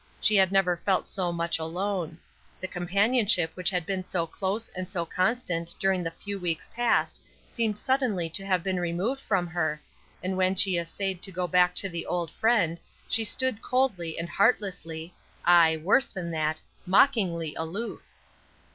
She had never felt so much alone. The companionship which had been so close and so constant during the few weeks past seemed suddenly to have been removed from her, and when she essayed to go back to the old friend, she had stood coldly and heartlessly aye, worse than that mockingly aloof.